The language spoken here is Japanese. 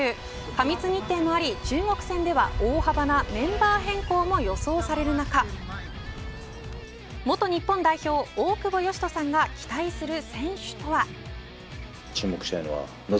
過密日程もあり、中国戦では大幅なメンバー変更も予想される中元日本代表、大久保嘉人さんが期待する選手とは。